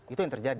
itu yang terjadi